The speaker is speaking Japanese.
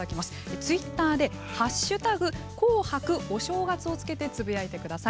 ツイッターで「＃紅白お正月」をつけてつぶやいてください。